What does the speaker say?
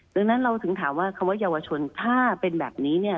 ดังนั้นเราถึงถามว่าคำว่าเยาวชนถ้าเป็นแบบนี้เนี่ย